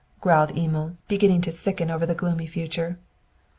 growled Emil, beginning to sicken over the gloomy future.